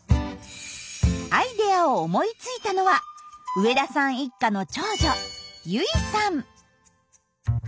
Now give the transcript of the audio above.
アイデアを思いついたのは植田さん一家の長女結衣さん。